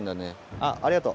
あっありがとう。